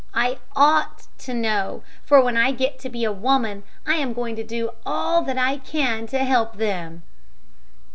I ought to know, for when I get to be a woman, I am going to do all I can to help them."